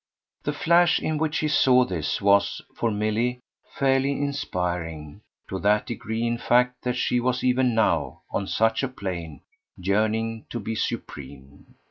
The flash in which he saw this was, for Milly, fairly inspiring to that degree in fact that she was even now, on such a plane, yearning to be supreme.